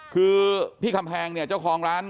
คือพี่คำแพงเนี่ยเจ้าของร้าน